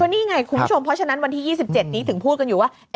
นี่ไงคุณผู้ชมเพราะฉะนั้นวันที่๒๗นี้ถึงพูดกันอยู่ว่า